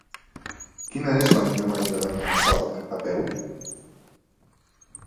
Quina és la millor manera d'anar a Sort a peu?